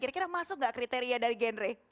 kira kira masuk nggak kriteria dari genre